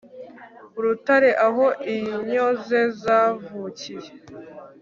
urutare, aho inyo ze zavukiye